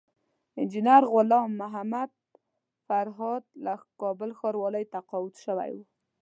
انجينر غلام محمد فرهاد له کابل ښاروالۍ تقاعد شوی وو